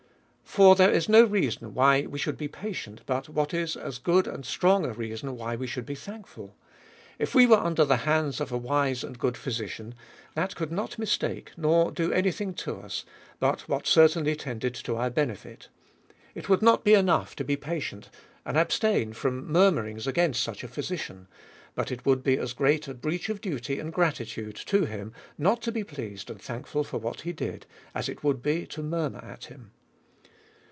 For there is no reason why we should be patient, but what is as good and strong a reason why we should be thankful. If we were un der the hands of a wise and good physician, that could not mistake, or do any thing to us but what certainly tended to our benefit, it would not be enough to be patient, and abstain from murmuring against such a physician ; but it would be as great a breach of duty and gratitude to him, not to be pleased and thankful for what he did, as it would be to murmur at him.